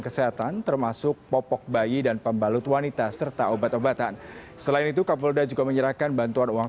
kesehatan termasuk popok bayi dan pembalut wanita serta obat obatan selain itu kapolda juga menyerahkan bantuan uang